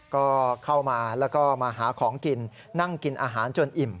ก็เข้ามาแล้วก็มาหาของกินนั่งกินอาหารจนอิ่ม